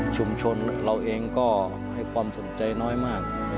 ชุมชนเราเองก็ให้ความสนใจน้อยมาก